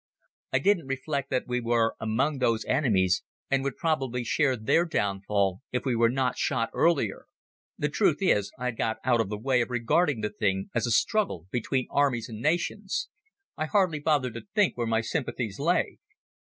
I didn't reflect that we were among those enemies, and would probably share their downfall if we were not shot earlier. The truth is, I had got out of the way of regarding the thing as a struggle between armies and nations. I hardly bothered to think where my sympathies lay.